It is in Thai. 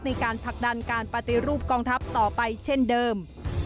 ในการผลักดันการปฏิรูปกองทัพต่อไปเช่นเดิม